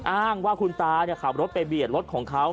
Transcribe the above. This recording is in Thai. อ้างว่าคุณตาขับรถไปเบียดรถของเขา